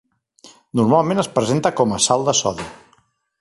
Normalment es presenta com a sal de sodi.